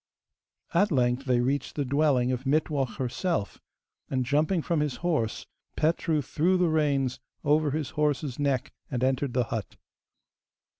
At length they reached the dwelling of Mittwoch herself, and, jumping from his horse, Petru threw the reins over his horse's neck and entered the hut.